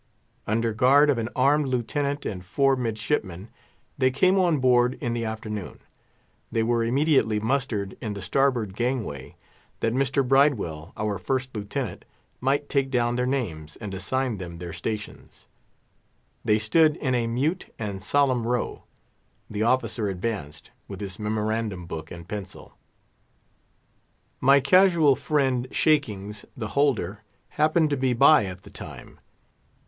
Under guard of an armed Lieutenant and four midshipmen, they came on board in the afternoon. They were immediately mustered in the starboard gangway, that Mr. Bridewell, our First Lieutenant, might take down their names, and assign them their stations. They stood in a mute and solemn row; the officer advanced, with his memorandum book and pencil. My casual friend, Shakings, the holder, happened to be by at the time.